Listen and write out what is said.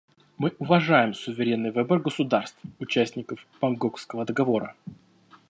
Мы уважаем суверенный выбор государств — участников Бангкокского договора.